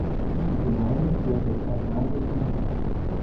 Durch die Gemeinde führt der "Canal de Cinca".